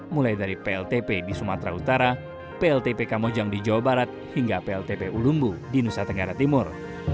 mulai dari pltp di sumatera utara pltp kamojang di jawa barat hingga pltp ulumbu di nusa tenggara timur